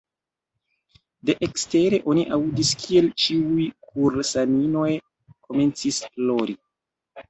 De ekstere oni aŭdis kiel ĉiuj kursaninoj komencis plori.